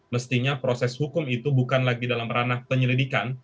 mestinya proses hukum itu bukan lagi dalam ranah penyelidikan